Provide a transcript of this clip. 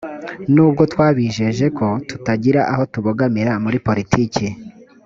nubwo twabijeje ko tutagira aho tubogamira muri politiki